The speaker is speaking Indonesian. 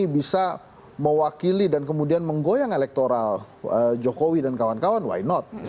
bisa mewakili dan kemudian menggoyang elektoral jokowi dan kawan kawan why not